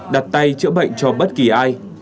đặt tay trữa bệnh cho bất kỳ ai